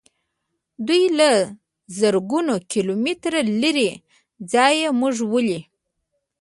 دوی له زرګونو کیلو مترو لیرې ځایه موږ ولي.